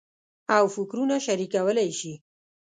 او فکرونه شریکولای شي.